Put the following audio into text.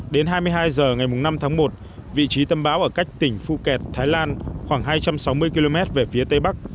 đến hai mươi hai h ngày năm tháng một vị trí tâm bão ở cách tỉnh phu kẹt thái lan khoảng hai trăm sáu mươi km về phía tây bắc